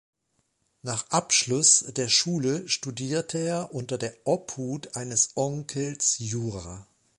Nach Abschluss der Schule studierte er unter der Obhut eines Onkels Jura.